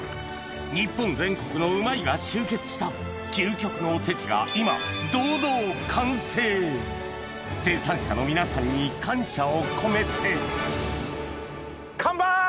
日本全国のうまいが集結した究極のおせちが今堂々完成生産者の皆さんに感謝を込めてカンパイ！